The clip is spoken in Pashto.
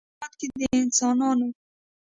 په دغه هېواد کې د انسانانو